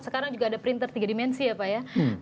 sekarang juga ada printer tiga dimensi ya pak ya